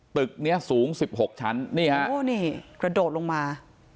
ตึกเนี่ยสูง๑๖ชั้นนี่ครับโหนี่กระโดดลงมา